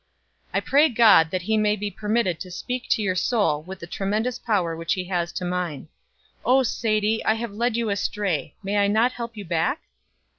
I pray God that he may be permitted to speak to your soul with the tremendous power that he has to mine. Oh, Sadie, I have led you astray, may I not help you back?"